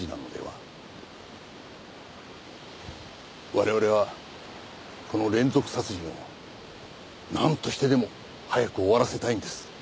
我々はこの連続殺人をなんとしてでも早く終わらせたいんです。